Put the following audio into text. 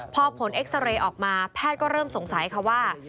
พอผลเอ็กซาเรย์ออกมาแพทย์ก็เริ่มสงสัยค่ะว่า